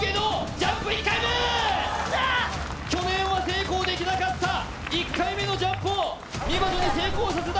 去年は成功できなかった１回目のジャンプを見事に成功させた。